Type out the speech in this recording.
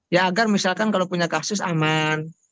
ya agar misalkan kalau punya kasus aman